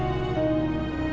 aku mau makan